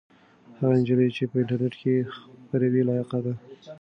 هغه نجلۍ چې په انټرنيټ کې خپروي لایقه ده.